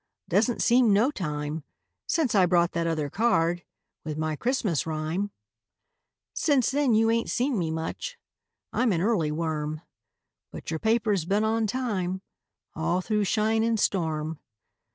Doesn't seem no time Since I brought that other card With my Christmas rhyme. Since then you ain't seen me much ; I'm an early worm. But your paper's been on time All through shine and storm.